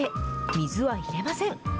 水は入れません。